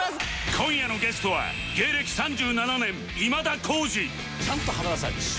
今夜のゲストは芸歴３７年今田耕司